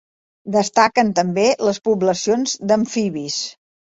Destaquen també les poblacions d'amfibis.